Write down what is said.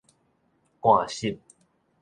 汗溼